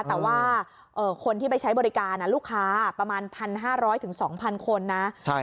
แต่ว่าคนที่ไปใช้บริการลูกค้าประมาณ๑๕๐๐๒๐๐คนนะ